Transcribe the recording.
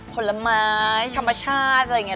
ผลไม้ธรรมชาติอะไรอย่างนี้